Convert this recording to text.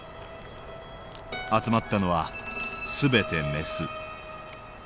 集まったのは全てメス。